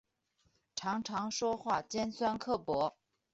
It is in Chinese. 常常说话尖酸刻薄